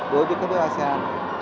đối với các nước asean